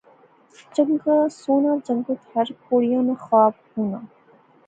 چنگا سوہنا جنگت ہر کڑیا ناں خواب ہونا